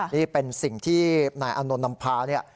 นี่เป็นสิ่งที่นายอานนท์นำพาเนี่ย